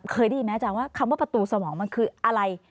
เคยได้ยินไหมอาจารย์ว่าคำว่าประตูสมองมันคืออะไร